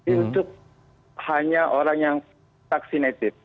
itu hanya orang yang vaccinated